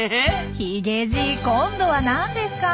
ヒゲじい今度はなんですか？